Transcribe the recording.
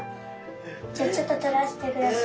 じゃあちょっととらせてください。